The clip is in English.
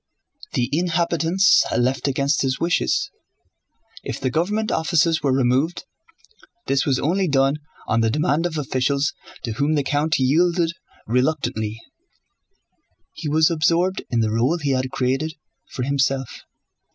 The inhabitants left against his wishes. If the government offices were removed, this was only done on the demand of officials to whom the count yielded reluctantly. He was absorbed in the role he had created for himself.